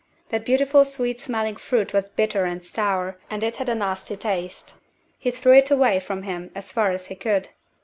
That beautiful sweet smelling fruit was bitter and sour, and it had a nasty taste. He threw it away from him as far as he could.